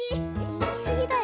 いきすぎだよ